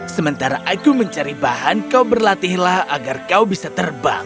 sementara aku mencari bahan kau berlatihlah agar kau bisa terbang